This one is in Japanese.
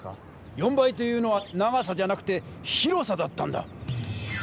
４倍というのは長さじゃなくて広さだったんだ！